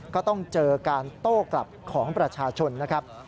ก็ต้องเจอการโต้กลับของประชาชนนะครับ